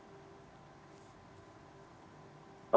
tidak saya tidak tahu